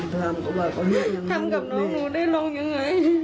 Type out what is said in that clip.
ทำกับน้องหนูได้ลองยังไง